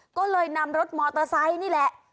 ก็เลยนำรถมอเตอร์ไซค์นี่แหละ